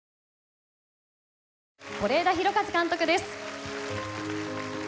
是枝裕和監督です。